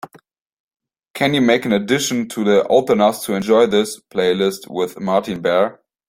Can you make an addition to the Old Enough To Enjoy This playlist with Martin Barre?